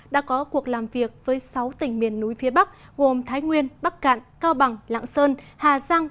đã có cuộc làm việc với sáu tỉnh miền núi phía bắc gồm thái nguyên bắc cạn cao bằng lạng sơn hà giang